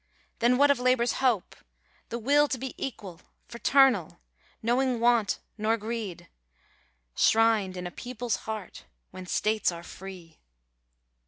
Then what of Labour's hope—the will to be Equal, fraternal, knowing want nor greed, Shrined in a peoples' heart when states are free?